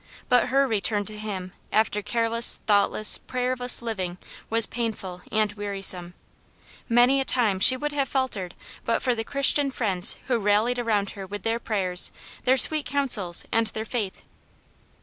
But her return to Him, after careless, thoughtless, prayerless living, was painful and wearisome. Many a time she would have faltered but for the Christian friends who rallied around her with their prayers, their sweet counsels and their faith.